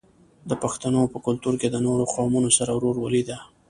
د پښتنو په کلتور کې د نورو قومونو سره ورورولي ده.